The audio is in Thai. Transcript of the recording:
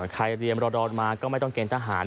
ใครเรียนสด๔๓มาก็ไม่ต้องเกณฑ์ทหาร